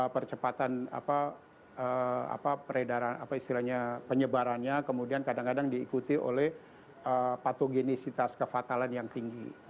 percepatan penyebarannya kemudian kadang kadang diikuti oleh patogenisitas kefatalan yang tinggi